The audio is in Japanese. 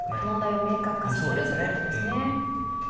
問題を明確化させるということですね。